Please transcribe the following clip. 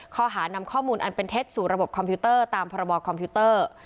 ข้อหานำข้อมูลอันเป็นเท็จสู่ระบบคอมพิวเตอร์ตามพรบคอมพิวเตอร์